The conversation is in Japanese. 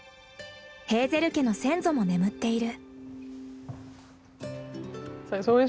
ヘーゼル家の先祖も眠っている。